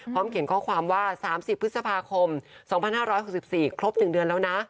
เขียนข้อความว่า๓๐พฤษภาคม๒๕๖๔ครบ๑เดือนแล้วนะ